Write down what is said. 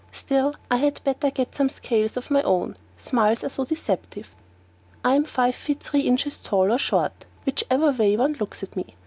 Still, I had better get some scales of my own, smiles are so deceptive. I am five feet three inches tall or short, whichever way one looks at me.